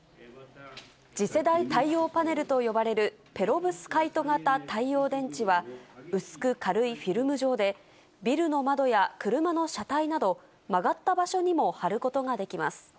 次世代太陽パネルと呼ばれるペロブスカイト型太陽電池は、薄く軽いフィルム状で、ビルの窓や車の車体など、曲がった場所にも貼ることができます。